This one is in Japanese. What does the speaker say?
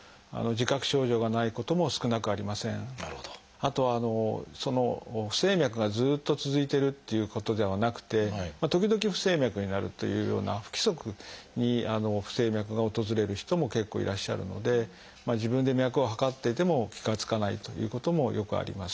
あと不整脈がずっと続いてるっていうことではなくて時々不整脈になるというような不規則に不整脈が訪れる人も結構いらっしゃるので自分で脈を測ってても気が付かないということもよくあります。